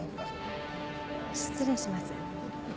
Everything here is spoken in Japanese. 失礼します。